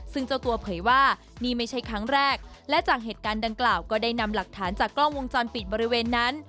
ซึ่งเจ้าตัวเผยว่านี่ไม่ใช่ครั้งแรกและจากเหตุการณ์ดังกล่าวก็ได้นำหลักฐานจากกล้องวงจรปิดบริเวณนั้น